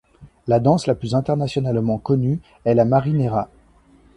La danse la plus internationalement connue est la marinera.